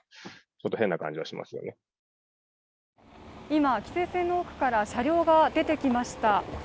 今、規制線の奥から車両が出てきました。